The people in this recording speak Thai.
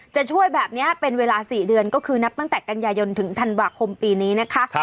จะช่วยแบบนี้เป็นเวลา๔เดือนก็คือนับตั้งแต่กันยายนถึงธันวาคมปีนี้นะคะ